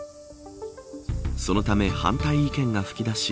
そのため、反対意見が吹き出し